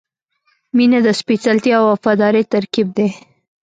• مینه د سپېڅلتیا او وفادارۍ ترکیب دی.